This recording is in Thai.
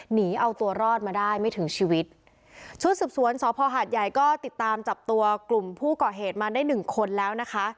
หนีเอาตัวรอดมาได้ไม่ถึงชีวิตชุดสืบสวนสพหาดใหญ่ก็ติดตามจับตัวกลุ่มผู้ก่อเหตุมาได้หนึ่งคนแล้วนะคะ